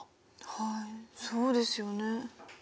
はいそうですよね。